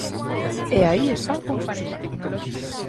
E aí está a confusión.